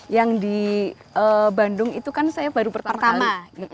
yang di bandung itu kan saya baru pertama